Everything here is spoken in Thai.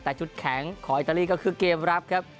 แต่จุดแข็งของอิตาลีก็คือเกมรับครับ